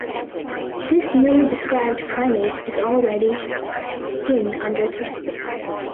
This newly described primate is already in under threats.